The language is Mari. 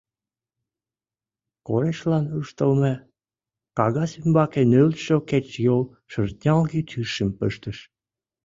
Корешлам ыштылме кагаз ӱмбаке нӧлтшӧ кечыйол шӧртнялге тӱсшым пыштыш.